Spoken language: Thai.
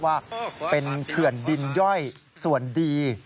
ว่าเป็นเขื่อนดินย่อยส่วนดี